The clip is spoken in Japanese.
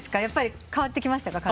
やっぱり変わってきました？